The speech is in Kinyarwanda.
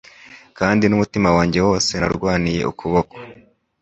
Kandi n'umutima wanjye wose narwaniye ukuboko